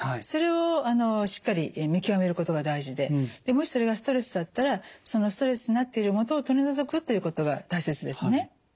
それをしっかり見極めることが大事でもしそれがストレスだったらそのストレスになっている元を取り除くということが大切ですね。